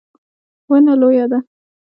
ونه لویه ده